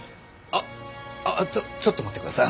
ああちょっと待ってください。